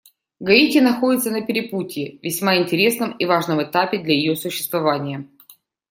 Гаити находится на перепутье — весьма интересном и важном этапе для ее существования.